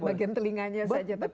bagian telinganya saja